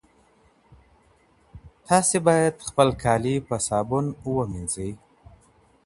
تاسي باید خپل کالي په صابون ومینځئ.